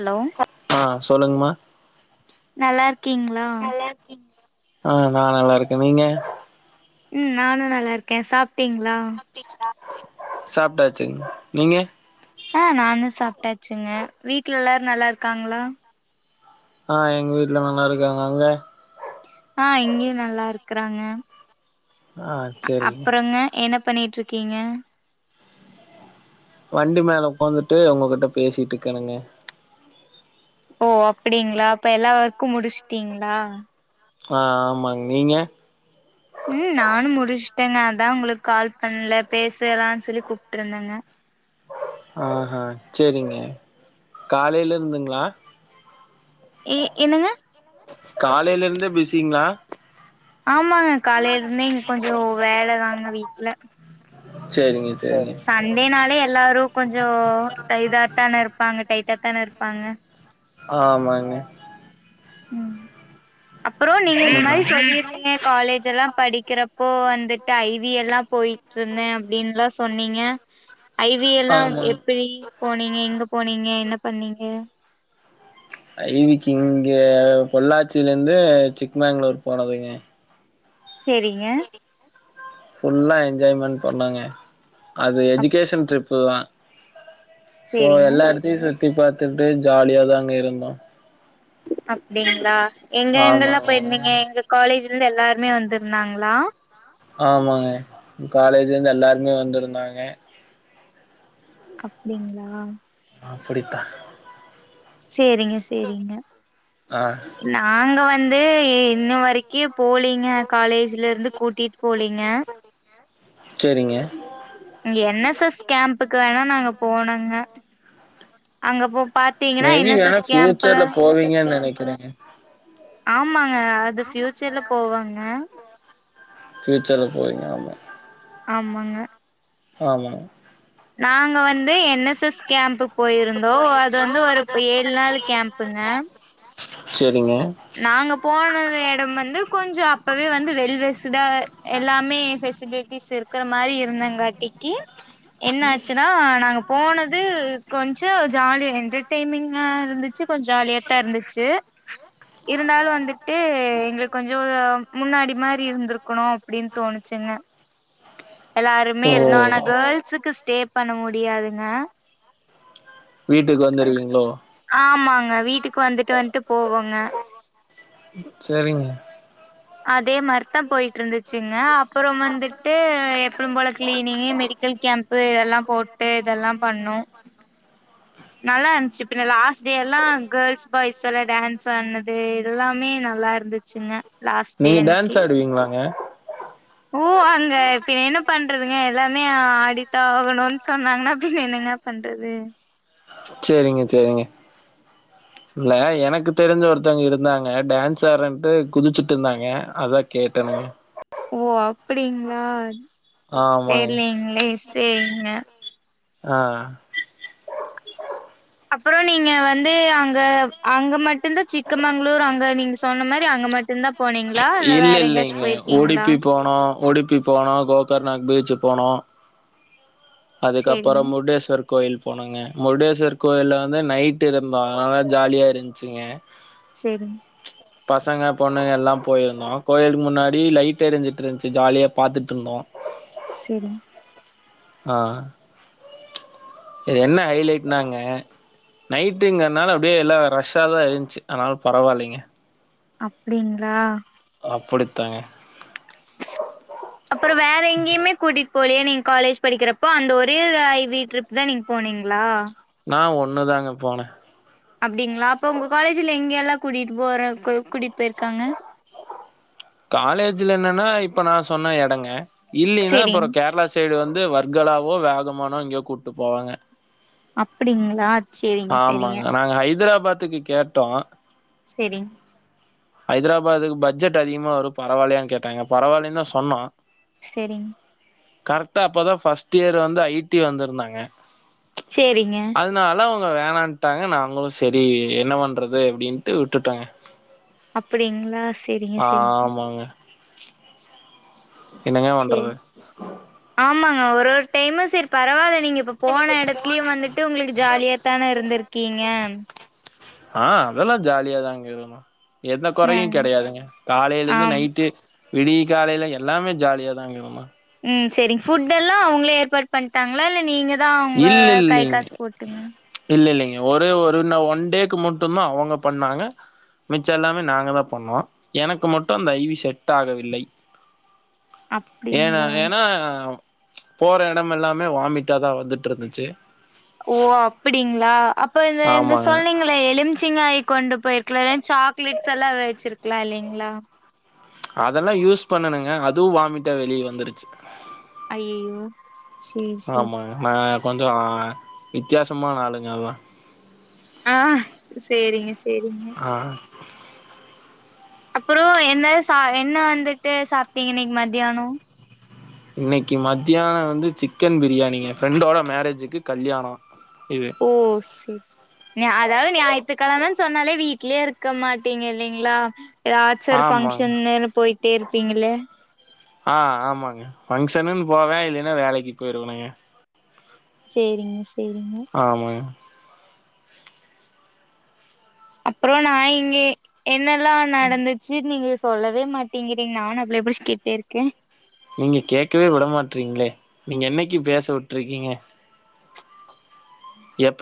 Hello ஆ சொல்லுங்மா நல்லா இருக்கீங்ளா? ஆ நா நல்லா இருக்கே நீங்க ம் நானு நல்லா இருக்கே சாப்ட்டீங் களா சாப்ட்டாச்சுங் நீங்க ஆ நானு சாப்ட்டாச்சுங்க வீட்ல எல்லாரு நல்லா இருக்காங்களா ஆ எங்க வீட்ல நல்லா இருக்காங்க அங்க ஆ இங்கயு நல்லா இருக்குறாங்க. ஆ அ செரிங்க அப்புறங்க என்ன பண்ணிட்ருக்கீங்க வண்டி மேல உக்காந்துட்டு உங்ககிட்ட பேசிட்டு இருக்கேனுங்க ஓ அப்பிடிங்களா அப்ப எல்லா ஒர்க்கு முடிச்சுட்டீங்களா ஆ ஆமாங் நீங்க ம் நானு முடிச்சுட்டேங்க அதா உங்களுக்கு கால் பண்ல பேசலான் சொல்லி கூப்ட்ருந்தங்க ஆஹா சேரிங்க காலைல இருந்துங்ளா எ என்னங்க? காலைல இருந்தே பிஸிங்ளா? ஆ மாங்க காலைல இருந்தே இங்க கொஞ்சோ வேலதாங்க வீட்ல செரிங்க செரிங்க சண்டேனாலே எல்லாரு கொஞ்சோ இதாப் தான இருப்பாங்க டைட்டாதான இருப்பாங்க ஆமாங்க ம் அப்புறோ ம் நீங்க இந்த மாரி சொல்லிருந்தீங்க காலேஜ்ல்லா படிக்கிறப் ஓ அந்தட்டு ஐவி எல்லா போய்ட்ர்ந்தே அப்பிடின்ல்லா சொன்னீங்க ஐவி எல்லா ஆமா எப்பிடி போனீங்க இங்க போனீங்க என்னப் பண்ணீங்க ஐவிக்கு இங்க பொள்ளாச்சியிலந்து சிக்மங்களூர் போனதுங்க சேரிங்க ஃபுல்லா என்ஜாய்மென்ட் பண்ணங்க அது அப் எஜீகேஷ்ன் டிரிப் புவ சோ சேரிங்க எல்லா எடத்தியு சுத் த்தி பாத்துட்டு ஜாலியாதாங்க இருந்தோ அப்பிடிங்ளா எங் எங்கேலா ஆமாங்க போயிருந்தீங்க எங்க காலேஜ்லர்ந் எல்லாருமே வந் ட் இருந்தாங்ளா ஆமாங்க காலேஜ்ல இருந்து எல்லாருமே வந்திருந்தாங்க அப்பிடிங்ளா அப்பிடிதா சேரிங்க சேரிங்க ஆ நாங்க வந் து இன்ன வரைக்கி போலீங்க காலேஜ்லர்ந்து கூட்டிட் போலீங்க சேரிங்க என் எஸ் எஸ் கேம்புக்கு வேணா நாங்க போனங்க அங்க போ பாத்தீங்கன்னா மேபி என் எஸ் வேணா எஸ் கேம்ப்ல பிஃயூச்சர்ல போவீங்கன் நெனக்கிறே எ ஆமாங் க அது ஃபியூச்சர்ல போவாங் ஆ ஃபியூச்சர்ல போவியீங்க ஆமா ஆமாங்க ஆமா நாங்க வந்து என் எஸ் எஸ் கேம்புக் போயிருந்தோ அது வந்து ஒரு ஏழு நாள் கேம்ப்புங்க சேரி நாங்க போன எடம் வந்து கொஞ்சம் அப்பவே வந்து வெல் வெஸ்டா எல்லாமே ஃபெசிலிட்டிஸ் இருக்குற மாதிரி இருந்தேங்காட்டிக்கு என்ன ஆச்சுன்னா நாங்க போனது கொஞ்சோ ஜாலிய என்டர்டெய்மிங்கா இருந்துச்சு கொஞ்சோ ஜாலியாத்தா இருந்துச்சு இருந்தாலு வந்துட்டு எங்களுக்கு கொஞ்சோ முன்னாடி மாரி இருந்திருக்கணு அப்டின்னு தோனுச்சுங்க எல்லாருமே ஓ இருந்தோ ஆன கேள்ஸுக்கு ஸ்டே பண்ண முடியாதுங்க வீட்டுக்கு வந்துருவீங்களோ ஆமாங்க வீட்டுக்கு வந்துட்டு வந்துட்டு போவோங்க சேரிங்க அதே மறித்தா போயிட்டு இருந்துச்சுங்க அப்புறம் வந்துட்டு எப்பவு போல கிளீனிங் மெடிக்கல் கேம்ப்பு இதெல்லா போட்டு இதெல்லா பண்ணோ இதான் பண்ண [unintelligible] நல்லா இருந்துச்சு பின் லாஸ்ட் டே எல்லா கேர்ள்ஸ் பாய்ஸ் எல்லா டான்ஸ் ஆடுனது எல்லாமே நல்லா இருந்துச்சுங்க லாஸ்ட் டே நீங்க அன்னைக்கி டேன்ஸ் ஆடுவீங்களாங்க ஓ அங்க இப்பின் என்ன பண்றதுங்க எல்லாமே ஆடித்தா ஆகணுன்னு சொன்னாங்கன்னா பின்ன என்னங்க பண்றது சேரிங்க சேரிங்க இல்ல எனக்கு தெரிஞ்ச ஒருத்தவங்க இருந்தாங்க டான்சாரேன்ட்டு குதிச்சுட்டு இருந்தாங்க அதா கேட்டேணுங்க ஓ அப்டிங்ளா ஆமாங்க தெரிலங்ளே சேரிங்க ஆ அப்புறோ நீங்க வந்து அங்க அங்க மட்டு இருந்த சிக்கமங்களூர் அங்க நீங்க சொன்ன மாரி அங்க மட்டுந்தா போனீங்களா இல்ல வேற எங்கயாச்சு இல்லைங்க போயிருக்கீங்களா உடுப்பி போனோ உடுப்பி போனோ கோகர்நாக் பீச் போனோ அதுக்கப்புறோ சேரிங்க முடேஸ்வர் கோயில் போனோங்க முருடேஸ்வர் கோயில்ல வந்து நைட்டு் இருந்தோங்க அதனா ஜாலியா இருந்துச்சுங்க சேரிங்க பசங்க பொண்ணுங்க எல்லா போயிருந்தோ கோயிலுக்கு முன்னாடி லைட் எரிஞ்சிட்டு இருந்துச்சு ஜாலியா பாத்துட்டு இருந்தோ சேரிங் ஆஹ் இது என்ன ஹைலைடனாங்க நைட்டுங்கரனால அப்படியே எல்லா ரஷ்ஷா தான் இருந்துச்சு அதனால பரவாயில்லைங்க அப்படிங்களா அப்படித்தாங்க அப்புறம் வேற எங்கேயுமே கூட்டிட்டு போலையே நீங்க காலேஜ் படிக்கிறப்போ அந்த ஒரே ஐவி ட்ரிப் தான் நீங்க போனீங்களா ஆ ஒன்னு தாங்க நான் போனேன் அப்டிங்களா அப்ப உங்க காலேஜ்ல எங்கேல்லாம் கூட்டிட்டு போற கூட்டிட்டு போயிருக்காங்க காலேஜ்ல என்னன்னா இப்ப நான் சொன்ன எடங்க இல்லைன்னா சேரிங் அப்பறம் கேரளா சைடு வந்து வர்கலாவோ வேகமானோ எங்கயோ கூப்ட்டு போவாங்க அப்டிங்களா சேரிங்க சேரிங்க ஆமாங்க நாங்க ஹைதரா பாத்துக்கு கேட்டோம் சேரி ஹைதராபாதுக்கு பட்ஜெட் அதிகமா வரும் பரவாயில்லையான்னு கேட்டாங்க பரவாயில்லைன்னு தா சொன்னோம் சேரிங்க கரெக்ட்டா அப்பதான் ஃபர்ஸ்ட் இயர் வந்து ஐ டி வந்திருந்தாங்க சேரிங்க வேணனுட்டாங்க நாங்களும் சரி என்ன பண்றது அப்டின்ட்டு விட்டுட்டோங்க அப்டிங்களா சேரிங்க ஆ சேரிங்க ஆமாங்க என்னங்க சேரி பண்றது ஆமாங்க ஒரு ஒரு டைம் சேரி பரவால நீங்க இப்ப போன இடத்துலயும் வந்துட்டு உங்களுக்கு ஜாலியாத்தானே இருந்திருக்கீங்க ஆ அதெல்லாம் ஜாலியாதான்ங்க இருந்தோம் எந்த அ கொறையும் கெடையாதுங்க காலையில இருந்து ஆம் நைட்டு விடிய காலையில எல்லாமே ஜாலியா தாங்க இருந்தோம் ம் சேரி புட் எல்லா அவங்களே ஏற்பாடு பண்ணிட்டாங்களா இல்ல நீங்க எல்லாம் அவங்க இல்ல கை இல்லைங்க காசு போட்டு இல்ல இல்லைங்க ஒரே ஒரு ஒன் டேக்கு மட்டும் தான் அவங்க பண்ணாங்க மிச்சம் எல்லாமே நாங்க தான் பண்ணோம் எனக்கு மட்டும் அந்த ஐவி செட் ஆகவில்லை ஏன அப்டிங்களா ஏன்னா போற இடம் எல்லாமே வாமிட்டாதான் வந்துட்டு இருந்துச்சு ஓ அப்டிங்களா அப்ப இந்த ஆமாங்க சொன்னீங்களே எலுமிச்சிங்க கொண்டு போயிருக்கலா சாக்லேட்ஸ் எல்லா வச்சிருக்கலா இல்லலைங்களா அதெல்லாம் யூஸ் பண்ணனுங்க அதுவும் வாமிட்டா வெளிய வந்துருச்சு அய்யயோ ஆமாங்க நான் கொஞ்சம் வித்தியாசமான ஆளுங்க அதான் ஆ சேரிங்க சேரிங்க ஆ அப்புறோம் என்னது என்ன வந்துட்டு சாப்ட்டீங்க இன்னைக்கு மத்தியானம் இன்னைக்கு மத்தியானம் வந்து சிக்கன் பிரியாணிங்க ஃப்ரெண்டோட மேரேஜுக்கு கல்யாணம் இது ஓ சேரி அதாவது ஞாய்த்துக்கிழமன்னு சொன்னாலே வீட் கீளியருக்கா மாட்டீங்குது இல்லைங்களா ஏதாச்சும் ஒரு ஆமாங்க ஃபங்க்ஷன்னு போயிட்டே இருப்பீங்களே ஆ ஆமாங்க ஃபங்க்ஷன்னன்னு போவேன் இல்லைன்னா வேலைக்கு போயிருவேணுங்க சேரிங்க சேரிங்க ஆமாங்க அப்புறோம் நான் இங்க எப் என்னெல்லாம் நடந்துச்சு நீங்க சொல்லவே மாட்டேங்கிறீங்க நானும் அவள புடிச்சி திட்டி இருக்கேன் நீங்க கேக்கவே விடமாட்டறீங்களே நீங்க என்னைக்கு பேச விட்டுருக்கீங்க எப்போ